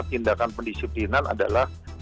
tindakan pendisiplinan adalah